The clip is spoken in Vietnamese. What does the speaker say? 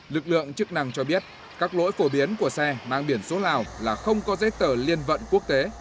lực lượng chức năng cho biết các lỗi phổ biến của xe mang biển số lào là không có giấy tờ liên vận quốc tế